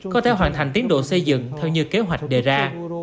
có thể hoàn thành tiến độ xây dựng theo như kế hoạch đề ra